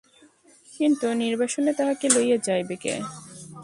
কিন্তু নির্বাসনে তাহাকে লইয়া যাইবে কে?